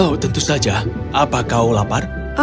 oh tentu saja apa kau lapar